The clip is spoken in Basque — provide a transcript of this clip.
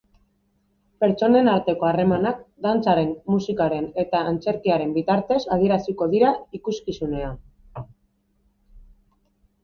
Pertsonen arteko harremanak, dantzaren, musikaren eta antzerkiaren bitartez adieraziko dira ikuskizunean.